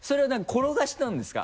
転がしたんですか？